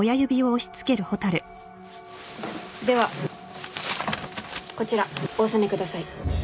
ではこちらお納めください。